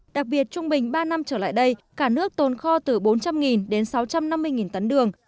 đặc biệt trung bình ba năm trở lại đây cả nước tồn kho từ bốn trăm linh đến sáu trăm năm mươi tấn đường